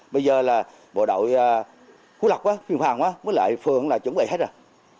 bây giờ là bộ đội hú lộc huyền hoàng với lại phường là chuẩn bị hết rồi